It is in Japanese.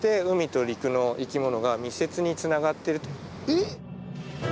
えっ？